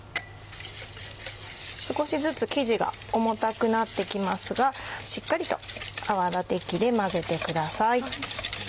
少しずつ生地が重たくなって来ますがしっかりと泡立て器で混ぜてください。